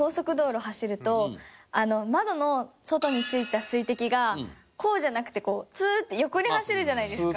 窓の外に付いた水滴がこうじゃなくてこうツーッて横に走るじゃないですか。